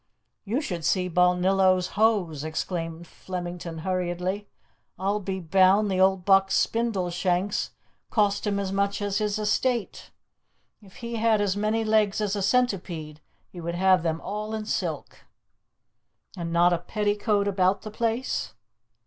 "You should see Balnillo's hose!" exclaimed Flemington hurriedly. "I'll be bound the old buck's spindle shanks cost him as much as his estate. If he had as many legs as a centipede he would have them all in silk." "And not a petticoat about the place?"